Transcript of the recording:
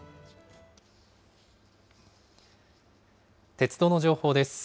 鉄道の情報です。